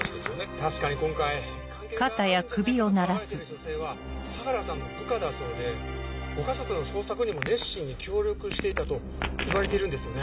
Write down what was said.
確かに今回関係があるんじゃないかと騒がれている女性は相良さんの部下だそうでご家族の捜索にも熱心に協力していたといわれているんですよね。